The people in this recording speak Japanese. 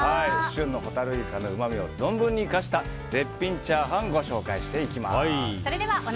旬のホタルイカのうまみを存分に生かした絶品チャーハンご紹介していきます。